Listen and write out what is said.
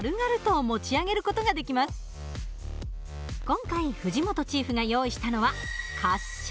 今回藤本チーフが用意したのは滑車。